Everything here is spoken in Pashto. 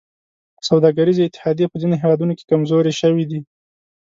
سوداګریزې اتحادیې په ځینو هېوادونو کې کمزورې شوي دي